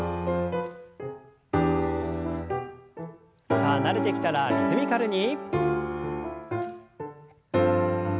さあ慣れてきたらリズミカルに。